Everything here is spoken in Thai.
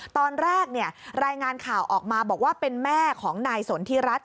ตอนแรกรายงานข่าวออกมาบอกว่าเป็นแม่ของนายสนทิรัฐ